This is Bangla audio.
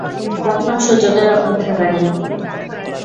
মোক্ষম সুযোগের অপেক্ষাকারী।